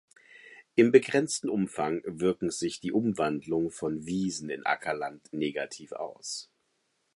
Im begrenzten Umfang wirken sich Umwandlungen von Wiesen in Ackerland negativ aus.